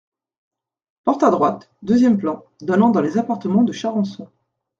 Porte à droite, deuxième plan, donnant dans les appartements de Charançon.